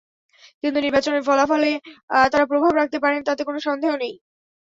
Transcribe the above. কিন্তু নির্বাচনী ফলাফলে তাঁরা প্রভাব রাখতে পারেন, তাতে কোনো সন্দেহ নেই।